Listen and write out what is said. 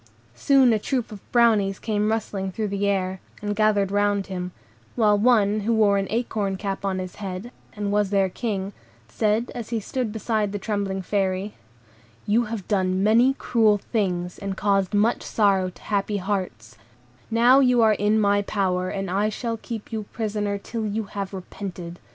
Soon a troop of Brownies came rustling through the air, and gathered round him, while one who wore an acorn cup on his head, and was their King, said, as he stood beside the trembling Fairy,— "You have done many cruel things, and caused much sorrow to happy hearts; now you are in my power, and I shall keep you prisoner till you have repented.